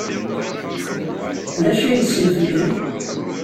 D acu ay yessen fell-i?